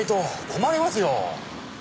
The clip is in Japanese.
困りますよ。